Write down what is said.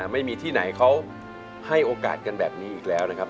ไม่มีที่ไหนเขาให้โอกาสกันแบบนี้อีกแล้วนะครับ